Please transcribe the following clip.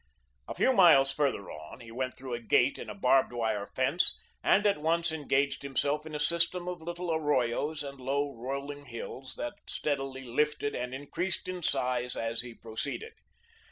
A few miles farther on, he went through a gate in a barbed wire fence, and at once engaged himself in a system of little arroyos and low rolling hills, that steadily lifted and increased in size as he proceeded.